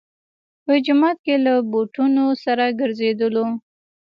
په جومات کې له بوټونو سره ګرځېدلو.